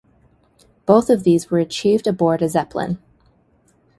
Both of these were achieved aboard a Zeppelin.